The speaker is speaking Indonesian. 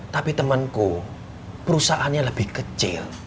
tapi temanku perusahaannya lebih kecil